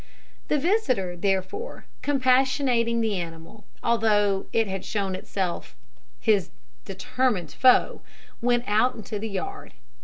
The visitor, therefore, compassionating the animal, although it had shown itself his determined foe, went out into the yard.